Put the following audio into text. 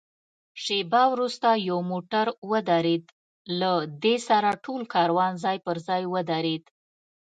شېبه وروسته یو موټر ودرېد، له دې سره ټول کاروان ځای پر ځای ودرېد.